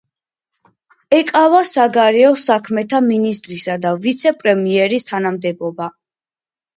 ეკავა საგარეო საქმეთა მინისტრისა და ვიცე-პრემიერის თანამდებობა.